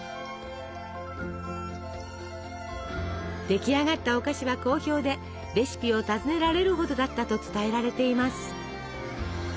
出来上がったお菓子は好評でレシピを尋ねられるほどだったと伝えられています。